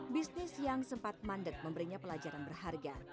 bisnis yang sempat mandek memberinya pelajaran berharga